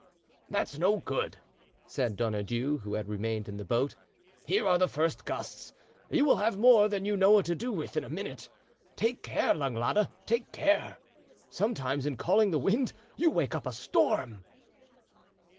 "That's no good," said Donadieu, who had remained in the boat. "Here are the first gusts; you will have more than you know what to do with in a minute.... Take care, Langlade, take care! Sometimes in calling the wind you wake up a storm."